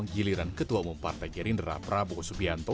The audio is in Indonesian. giliran ketua umum partai gerindra prabowo subianto